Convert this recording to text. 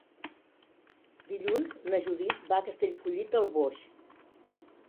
Dilluns na Judit va a Castellfollit del Boix.